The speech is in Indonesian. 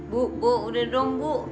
bu udah dong bu